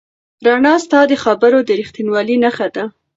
رڼا ستا د خبرو د رښتینولۍ نښه ده.